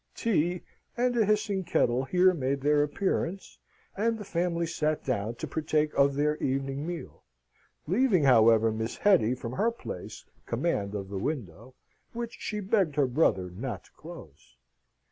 Tea and a hissing kettle here made their appearance, and the family sate down to partake of their evening meal, leaving, however, Miss Hetty, from her place, command of the window, which she begged her brother not to close.